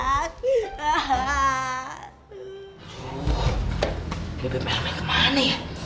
aduh bebem elmeh kemana ya